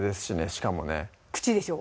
しかもね口でしょ？